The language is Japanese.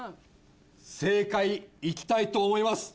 正解いきたいと思います。